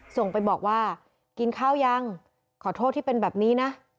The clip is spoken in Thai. ส่งไปบอกว่ากินข้าวยังขอโทษที่เป็นแบบนี้นะ